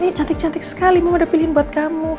ini cantik cantik sekali mama udah pilihin buat kamu